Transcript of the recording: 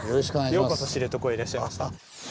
ようこそ知床へいらっしゃいました。